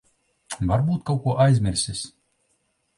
Varbūt kaut ko aizmirsis.